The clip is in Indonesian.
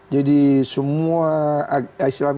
jadi semua islam